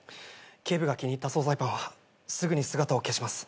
警部が気に入った総菜パンはすぐに姿を消します。